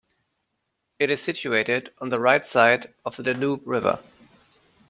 It is situated on the right side of the Danube river.